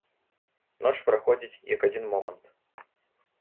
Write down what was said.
Ноч праходзіць, як адзін момант.